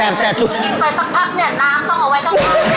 ผ่าน